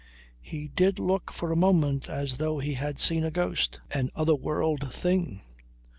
He did look for a moment as though he had seen a ghost, an other world thing.